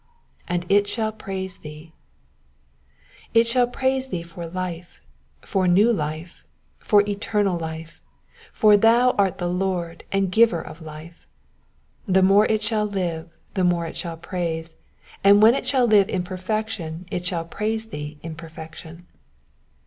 ^^ And it shall praise thee^ It shall praise thee for life, for new life, for eternal life, for thou art the Lord and Giver of life. The more it shall live, the more it shall praise, and when it shall live in perfection it shall praise thee in perfection.